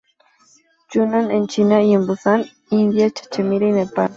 Yunnan en China y en Bután, India, Cachemira y Nepal.